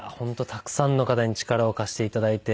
たくさんの方に力を貸していただいて。